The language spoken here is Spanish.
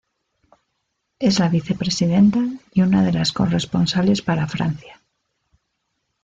Es la vicepresidenta y una de las corresponsales para Francia.